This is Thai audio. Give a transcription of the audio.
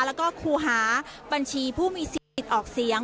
แล้วก็ครูหาบัญชีผู้มีสิทธิ์ติดออกเสียง